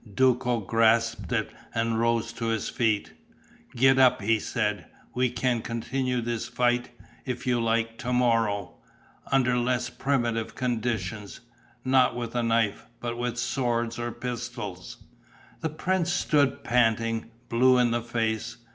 Duco grasped it and rose to his feet: "Get up," he said, "we can continue this fight, if you like, to morrow, under less primitive conditions: not with a knife, but with swords or pistols." The prince stood panting, blue in the face....